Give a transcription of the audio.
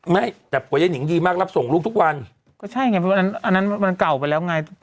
ไม่แต่ป่วยเย็นหญิงดีมากรับส่งรุ่งทุกวันก็ใช่ไงอันนั้นมันเก่าไปแล้วไง